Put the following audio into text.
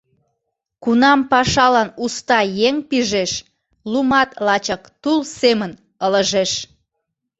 Кунам пашалан уста еҥ пижеш, лумат лачак тул семын ылыжеш.